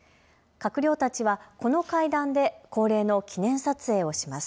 閣僚たちは、この階段で、恒例の記念撮影をします。